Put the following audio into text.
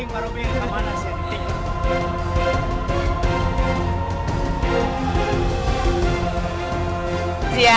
baru bingung sama nasi ya